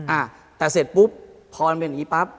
อ่าแต่เสร็จปุ๊บพอเป็นแบบนี้ป๊าบ